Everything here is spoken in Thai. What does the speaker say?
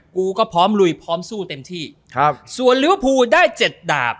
กูก็พร้อมลุยพร้อมสู้เต็มที่ส่วนลิวปูได้๗ดาบ